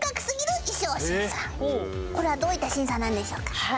これはどういった審査なんでしょうか？